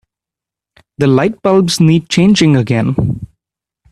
The lightbulbs need changing again.